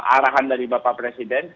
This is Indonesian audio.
arahan dari bapak presiden